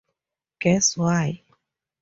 Guess why.